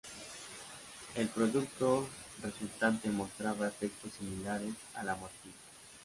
El producto resultante mostraba efectos similares a la morfina.